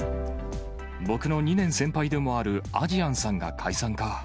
僕の２年先輩でもあるアジアンさんが解散かぁ。